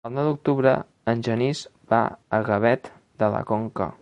El nou d'octubre en Genís va a Gavet de la Conca.